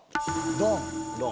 ドン。